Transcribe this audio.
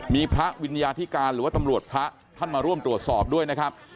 มีพระวิญญาธิการหรือว่าตำรวจพระท่านมาร่วมตรวจสอบด้วยนะครับ